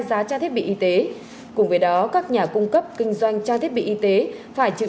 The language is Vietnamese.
giá trang thiết bị y tế cùng với đó các nhà cung cấp kinh doanh trang thiết bị y tế phải chịu